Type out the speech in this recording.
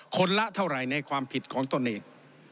ละเท่าไหร่ในความผิดของตนเอง